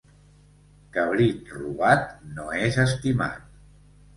Cabrit robat no és estimat.